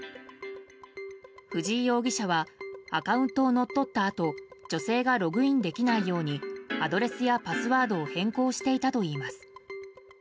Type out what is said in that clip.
藤井容疑者はアカウントを乗っ取ったあと女性がログインできないようにアドレスやパスワードを変更していたといいます。